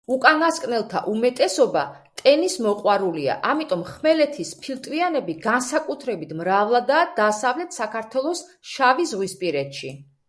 უკანასკნელთა უმეტესობა ტენის მოყვარულია, ამიტომ ხმელეთის ფილტვიანები განსაკუთრებით მრავლადაა დასავლეთ საქართველოს შავიზღვისპირეთში.